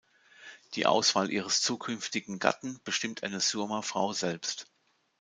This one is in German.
Die Auswahl ihres zukünftigen Gatten bestimmt eine Surma-Frau selbst.